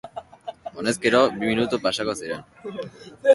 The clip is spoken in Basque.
Honezkero, bi minutu pasako ziren.